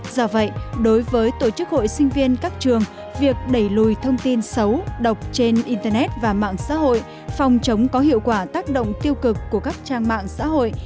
do vậy đối với tổ chức hội sinh viên các trường việc đẩy lùi thông tin xấu độc trên internet và mạng xã hội phòng chống có hiệu quả tác động tiêu cực của các trang mạng xã hội